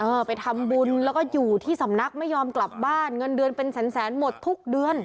เออไปทำบุญแล้วก็อยู่ที่สำนักไม่ยอมกลับบ้านเงินเดือนเป็นแสนแสนหมดทุกเดือน